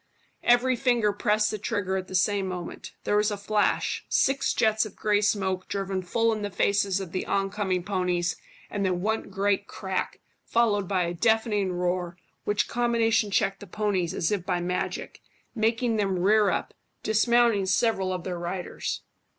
Every finger pressed the trigger at the same moment; there was a flash, six jets of grey smoke driven full in the faces of the on coming ponies, and then one great crack, followed by a deafening roar, which combination checked the ponies as if by magic, making them rear up, dismounting several of their riders.